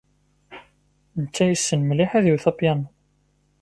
Netta yessen mliḥ ad iwet apyanu.